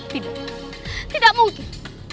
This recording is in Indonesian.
tidak tidak mungkin